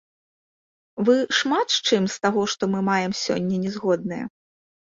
Вы шмат з чым з таго, што мы маем сёння, не згодныя?